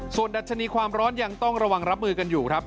ส่วนดัชนีความร้อนยังต้องระวังรับมือกันอยู่ครับ